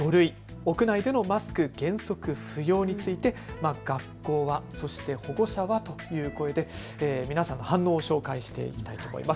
屋内でのマスク原則不要について学校は、そして保護者はという声で皆さんの反応を紹介していきます。